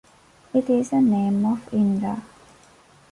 It is a name of Indra.